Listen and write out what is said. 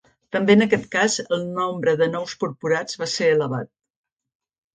També en aquest cas el nombre de nous purpurats va ser elevat.